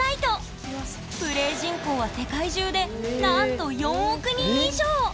プレー人口は世界中でなんと４億人以上！